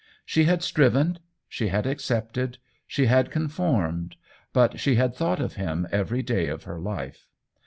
She had striven, she had accepted, she had conformed ^ but she had thought of him every day of her life.